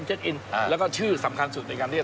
เช็คอินแล้วก็ชื่อสำคัญสุดในการเรียก